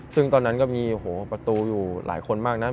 ซึ่งตอนนั้นก็มีประตูอยู่หลายคนมากนะ